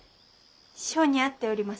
性に合っております。